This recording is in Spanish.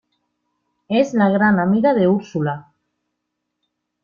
Es la gran amiga de Úrsula.